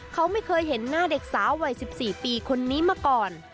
เขาไม่เคยเห็นหน้าเด็กสาววัย๑๔ปีคนนี้มาก่อน